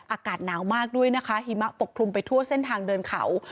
อากาศหนาวมากด้วยนะคะหิมะปกคลุมไปทั่วเส้นทางเดินเขา